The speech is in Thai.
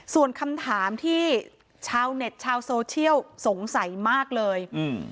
ส่วนคำถามที่ชาวเน็ตชาวโซเชียลสงสัยมากเลยอืม